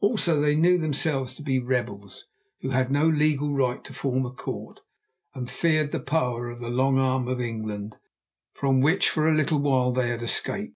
Also they knew themselves to be rebels who had no legal right to form a court, and feared the power of the long arm of England, from which for a little while they had escaped.